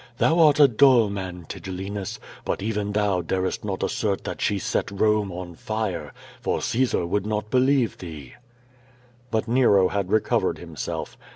"Thou art a dull man, Tigellinus, but even thou darest not assert that she set Rome on fire, for Caesar would not believe thee." Kut Nero had recovered himself.